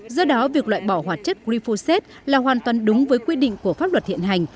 do đó việc loại bỏ hoạt chất glyphosate là hoàn toàn đúng với quy định của pháp luật hiện hành